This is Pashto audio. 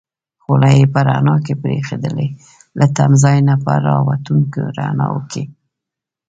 خولۍ یې په رڼا کې برېښېدلې، له تمځای نه په را وتونکو رڼاوو کې.